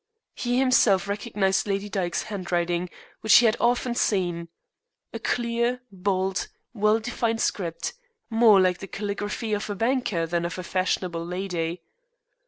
He himself recognized Lady Dyke's handwriting, which he had often seen a clear, bold, well defined script, more like the caligraphy of a banker than of a fashionable lady.